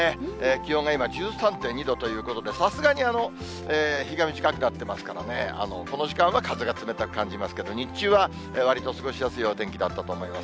気温が今１３．２度ということで、さすがに日が短くなってますからね、この時間は風が冷たく感じますけど、日中はわりと過ごしやすいお天気だったと思います。